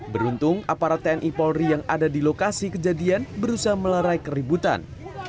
beruntung aparat tni polri yang ada di lokasi kejadian berusaha melerai keributan